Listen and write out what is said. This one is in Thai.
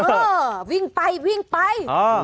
เออวิ่งไป